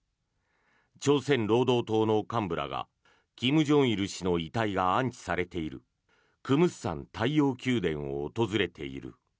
朝鮮労働党の幹部らが金正日氏の遺体が安置されているクムスサン太陽宮殿を訪れている。